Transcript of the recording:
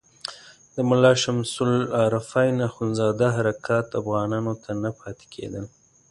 د ملا شمس العارفین اخندزاده حرکات افغانانو ته نه پاتې کېدل.